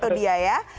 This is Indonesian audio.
terima kasih banyak